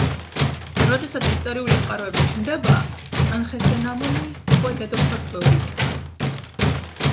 როდესაც ისტორიული წყაროები ჩნდება, ანხესენამონი უკვე დედოფლად გვევლინება.